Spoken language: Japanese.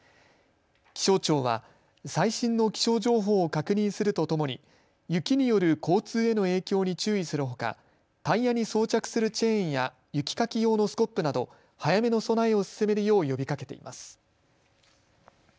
気象庁は最新の気象情報を確認するとともに雪による交通への影響に注意するほかタイヤに装着するチェーンや雪かき用のスコップなど早めの備えを進めるよう呼びかけています。